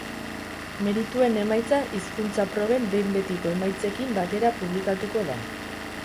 Merituen emaitza hizkuntza proben behin betiko emaitzekin batera publikatuko da.